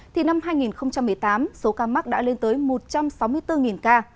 thì năm hai nghìn một mươi tám số ca mắc đã lên tới một trăm sáu mươi bốn ca